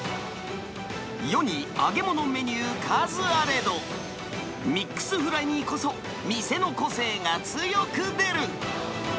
世に揚げ物メニュー数あれど、ミックスフライにこそ、店の個性が強く出る。